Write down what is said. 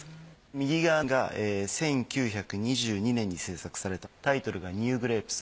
右側が１９２２年に制作されたタイトルが『ＮｅｗＧｒａｐｅｓ』。